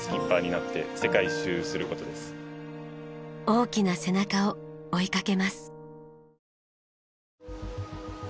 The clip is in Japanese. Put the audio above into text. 大きな背中を追いかけます。